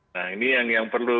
nah ini yang perlu